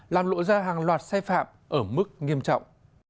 làm lộ ra hàng loạt sai phạm ở mức nghiêm trọng